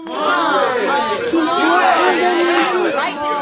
Qu’il soit indemnisé.